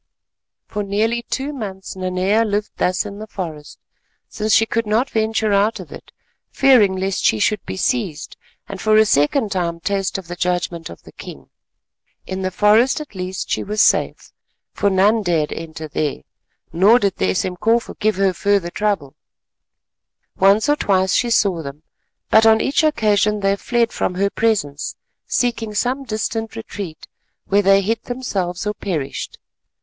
For nearly two months Nanea lived thus in the forest, since she could not venture out of it—fearing lest she should be seized, and for a second time taste of the judgment of the king. In the forest at least she was safe, for none dared enter there, nor did the Esemkofu give her further trouble. Once or twice she saw them, but on each occasion they fled from her presence—seeking some distant retreat, where they hid themselves or perished.